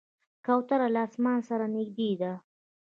کوتره له اسمان سره نږدې ده.